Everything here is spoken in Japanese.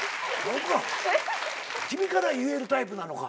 君から言えるタイプなのか。